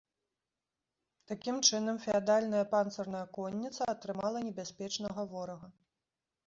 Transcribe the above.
Такім чынам, феадальная панцырная конніца атрымала небяспечнага ворага.